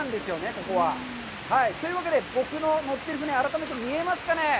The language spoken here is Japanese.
ここは。というわけで、僕の乗っている船、改めて見えますかね。